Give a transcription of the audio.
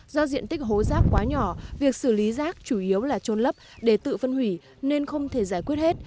do diện tích hố rác quá nhỏ việc xử lý rác chủ yếu là trôn lấp để tự phân hủy nên không thể giải quyết hết